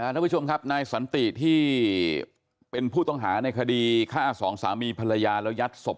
นักวิชชมครับนายสนตรีที่เป็นผู้ต้องหาในคดีฆ่า๒สามีภาวิยาและยัดศพ